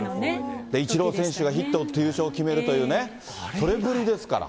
イチロー選手がヒットを打って決めるという、それぶりですから。